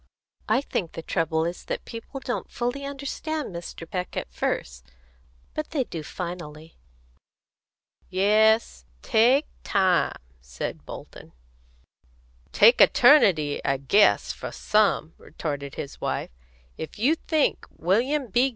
"I think the trouble is that people don't fully understand Mr. Peck at first. But they do finally." "Yes; take time," said Bolton. "Take eternity, I guess, for some," retorted his wife. "If you think William B.